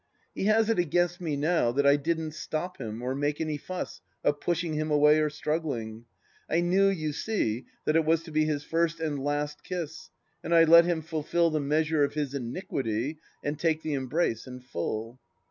.,. He has it against me now that I didn't stop him or make any fuss of pushing him away or struggling. I knew, you see, that it was to be his first and last kiss, and I let him fulfil the measure of his iniquity, and take the embrace in fuU. .